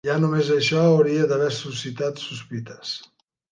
Ja només això hauria d'haver suscitat sospites.